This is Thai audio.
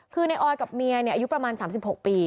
คือในออยกับเมียเนี้ยอายุประมาณสามสิบหกปี